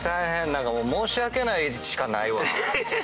何かもう申し訳ないしかないわ。